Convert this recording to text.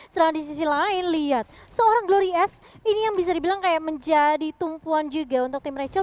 sedang di sisi lain lihat seorang glory s ini yang bisa dibilang kayak menjadi tumpuan juga untuk tim rachel